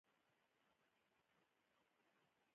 سیلاني ځایونه د اړتیاوو د پوره کولو وسیله ده.